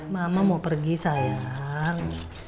mama mau pergi sayang